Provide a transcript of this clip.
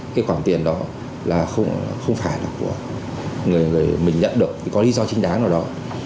cái khoản tiền đó là không phải là của người mình nhận được có lý do chính đáng nào đó